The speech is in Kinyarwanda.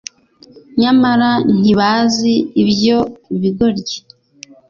nyamara ntibazi ibyo bigoryi